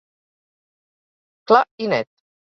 Clar i net.